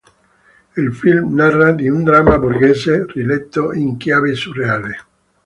Il film narra di un dramma borghese riletto in chiave surreale.